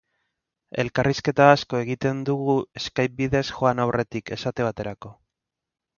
Elkarrizketa asko egiten dugu Skype bidez joan aurretik, esate baterako.